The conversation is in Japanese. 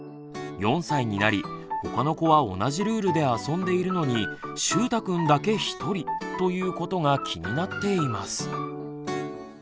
４歳になりほかの子は同じルールで遊んでいるのにしゅうたくんだけひとりということが気になっています。